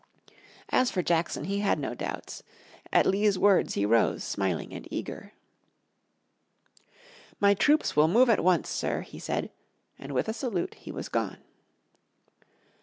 As for Jackson he had no doubts. At Lee's words he rose, smiling, and eager. "My troops will move at once, sir," he said, and with a salute he was gone.